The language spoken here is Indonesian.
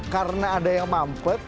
karena ada yang mampet